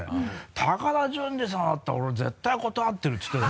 「高田純次さんだったら俺絶対断ってる」て言ってた。